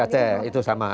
dari aceh itu sama